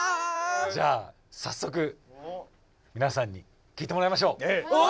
じゃあさっそくみなさんにきいてもらいましょう！